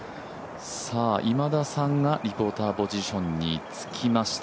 今田さんがリポーターポジションにつきました。